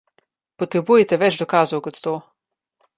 Potrebujete več dokazov kot to.